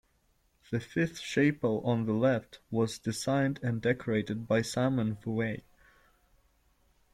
The fifth chapel on the left was designed and decorated by Simon Vouet.